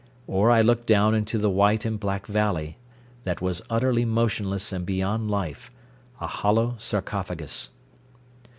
Or I looked down into the white and black valley, that was utterly motionless and beyond life, a hollow sarcophagus.